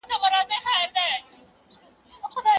علمي بحثونه بايد تل ازاد وي.